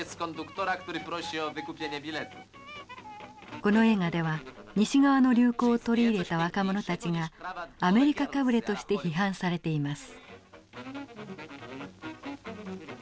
この映画では西側の流行を取り入れた若者たちがアメリカかぶれとして批判されています。